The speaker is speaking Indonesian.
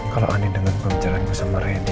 kalau andien denger gue bicara sama randy